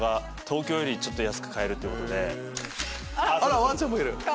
あらワンちゃんもいる。